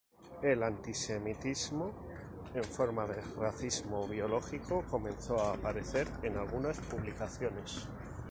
El antisemitismo, en forma de racismo biológico, comenzó a aparecer en algunas publicaciones.